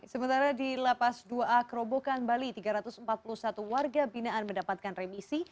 sementara di lapas dua a kerobokan bali tiga ratus empat puluh satu warga binaan mendapatkan remisi